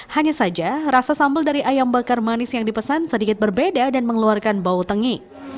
hanya saja rasa sambal dari ayam bakar manis yang dipesan sedikit berbeda dan mengeluarkan bau tengi